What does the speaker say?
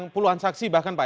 puluhan saksi bahkan pak